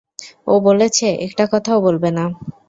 ও বলেছে একটা কথাও বলবে না।